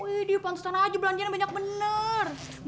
waduh pantutan aja belandian banyak bener